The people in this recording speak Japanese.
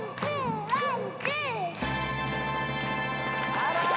あら！